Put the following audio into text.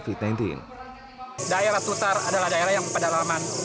daerah tutar adalah daerah yang pedalaman